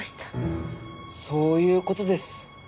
そういう事です。